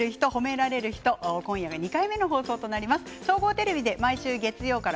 今夜２回目の放送です。